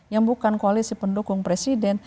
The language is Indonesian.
yang bukan koalisi pendukung presiden